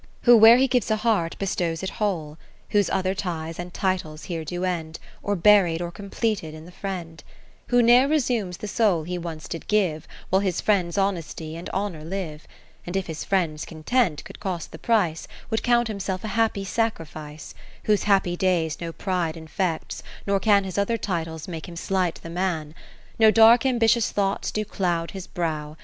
Who where he gives a heart, bestows it whole ; Whose other ties and titles here do end, Orburiedorcompletedinthe Friend; (557) Who ne'er resumes the soul he once did give, While his Friend's honesty and hon our live ; 70 And if his Friend's content could cost the price, Would count himself a happy sacri fice ; Whose happy days no pride infects, nor can His other titles make him slight the man ; No dark ambitious thoughts do cloud his brow.